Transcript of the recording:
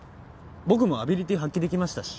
僕もアビリティー発揮できましたし。